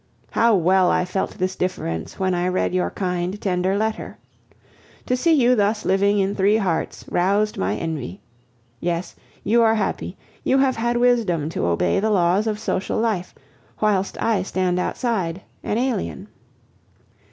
How well I felt this difference when I read your kind, tender letter! To see you thus living in three hearts roused my envy. Yes, you are happy; you have had wisdom to obey the laws of social life, whilst I stand outside, an alien.